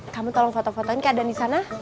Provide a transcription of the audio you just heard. kamu tolong foto fotoin keadaan di sana